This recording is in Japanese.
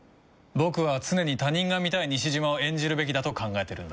僕は常に他人が見たい西島を演じるべきだと考えてるんだ。